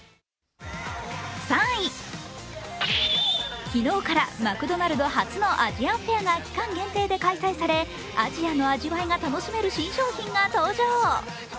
３位、昨日からマクドナルド初のアジアンフェアが期間限定で開催され、アジアの味わいが楽しめる新商品が登場。